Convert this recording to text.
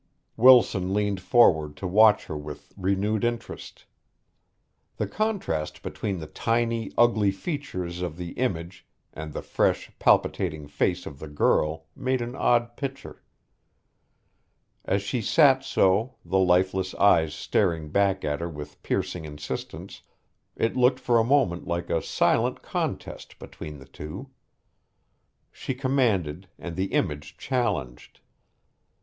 Wilson leaned forward to watch her with renewed interest. The contrast between the tiny, ugly features of the image and the fresh, palpitating face of the girl made an odd picture. As she sat so, the lifeless eyes staring back at her with piercing insistence, it looked for a moment like a silent contest between the two. She commanded and the image challenged.